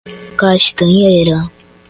Castanheira